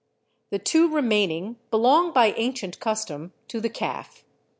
The two remaining belong by ancient custom to the calf.